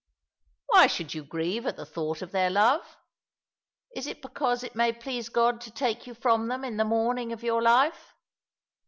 " "Why should you grieve at the thought of their love ? la it because it may please God to take you from them in the morning of your life?